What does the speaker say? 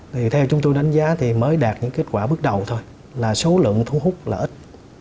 thì theo chúng tôi đánh giá thì mới đạt những kết quả bước đầu thôi là số lượng thu hút là ít